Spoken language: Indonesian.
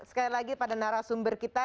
sekali lagi pada narasumber kita